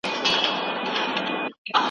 د افغانستان ډېری زعفران ارګانیک دي.